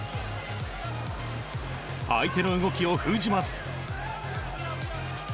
相手の動きを封じます。